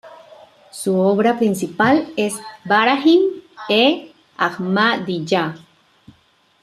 Su obra principal es Barahin-e-Ahmadiyya“.